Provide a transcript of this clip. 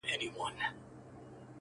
چې خپل ځانونه ړندوي